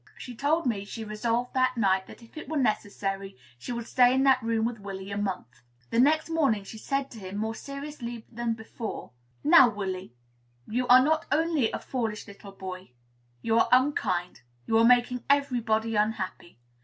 She told me she resolved that night that, if it were necessary, she would stay in that room with Willy a month. The next morning she said to him, more seriously than before, "Now, Willy, you are not only a foolish little boy, you are unkind; you are making everybody unhappy.